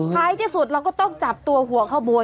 ท้ายที่สุดเราก็ต้องจับตัวหัวขโมย